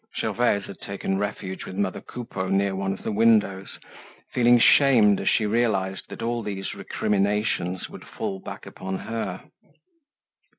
Gervaise had taken refuge with mother Coupeau near one of the windows, feeling shamed as she realized that all these recriminations would fall back upon her.